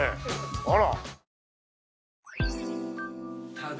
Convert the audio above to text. あら。